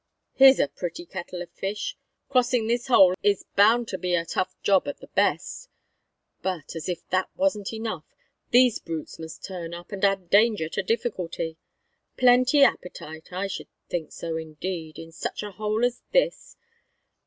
"Here's a pretty kettle of fish! Crossing this hole is hound to be a tough job at the best but, as if that wasn't enough, these brutes must turn up and add danger to difficulty. Plenty appetite? I should think so, indeed, in such a hole as this!